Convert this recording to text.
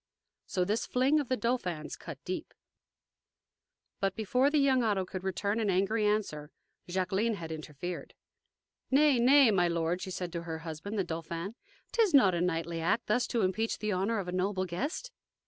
So this fling of the Dauphin's cut deep. But before the young Otto could return an angry answer, Jacqueline had interfered. "Nay, nay, my lord," she said to her husband, the Dauphin; "'t is not a knightly act thus to impeach the honor of a noble guest."